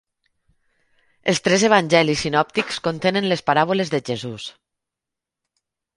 Els tres evangelis sinòptics contenen les paràboles de Jesús.